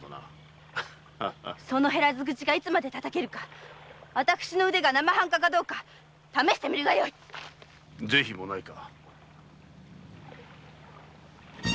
その減らず口がいつまでたたけるか私の腕が生半可かどうか試すがよいぜひもないか。